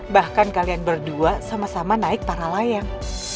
bahkan kalian berdua sama sama naik para layang